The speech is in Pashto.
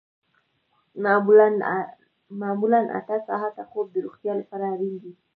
معمولاً اته ساعته خوب د روغتیا لپاره اړین دی